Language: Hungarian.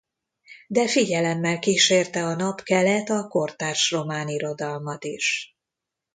De figyelemmel kísérte a Napkelet a kortárs román irodalmat is.